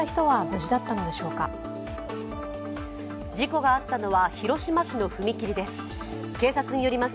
事故があったのは広島市の踏切です。